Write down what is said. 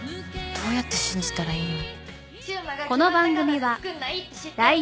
どうやって信じたらいいの？